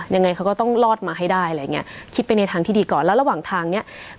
ยังไงเขาก็ต้องรอดมาให้ได้อะไรอย่างเงี้ยคิดไปในทางที่ดีก่อนแล้วระหว่างทางเนี้ย